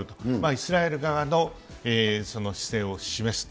イスラエル側の姿勢を示すと。